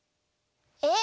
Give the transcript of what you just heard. えっ？